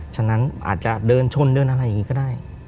ฉะนั้นอาจจะเดินชนเดินอะไรอย่างนี้ก็ได้